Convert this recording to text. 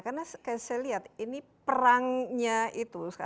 karena saya lihat ini perangnya itu